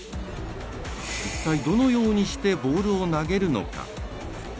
一体、どのようにしてボールを投げるのか。